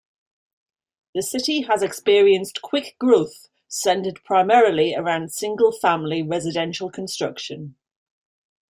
The city has experienced quick growth centered primarily around single-family residential construction.